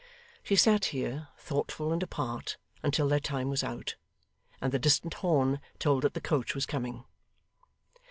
She sat here, thoughtful and apart, until their time was out, and the distant horn told that the coach was coming.